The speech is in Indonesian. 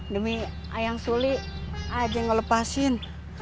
demi ayang suli aja yang ngelepasin